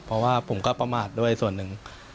เพราะว่าผมก็ประมาทด้วยส่วนหนึ่ง